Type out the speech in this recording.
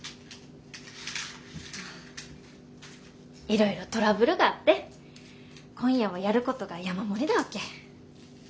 いろいろトラブルがあって今夜はやることが山盛りなわけ。